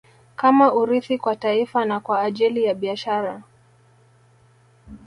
Kama urithi kwa taifa na kwa ajili ya Biashara